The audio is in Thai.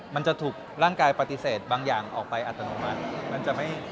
มันจะถูกร่างกายปฏิเสธบางอย่างออกไปอัตโนมัติ